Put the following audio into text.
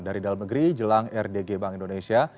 dari dalam negeri jelang rdg bank indonesia